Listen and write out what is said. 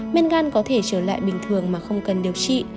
men gan có thể trở lại bình thường mà không cần điều trị